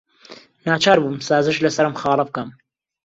ناچار بووم سازش لەسەر ئەم خاڵە بکەم.